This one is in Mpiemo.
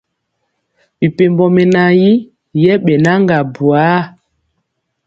Mɛpembɔ mɛnan yi yɛbɛnaga buar.